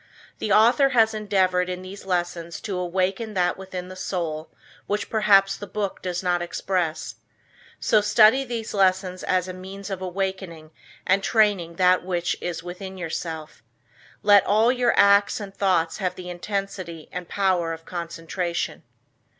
The author has endeavored in these lessons to awaken that within the soul which perhaps the book does not express. So study these lessons as a means of awakening and training that which is within yourself. Let all your acts and thoughts have the intensity and power of concentration.